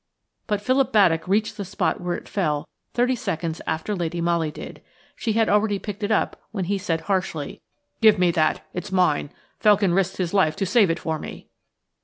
But Philip Baddock reached the spot where it fell thirty seconds after Lady Molly did. She had already picked it up, when he said harshly: "Give me that. It is mine. Felkin risked his life to save it for me."